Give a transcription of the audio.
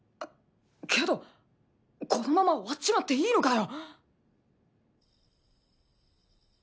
けどこのまま終わっちまっていいのかよ。